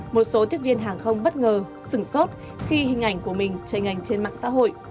một số tiếp viên hàng không bất ngờ sửng sốt khi hình ảnh của mình chơi ảnh trên mạng xã hội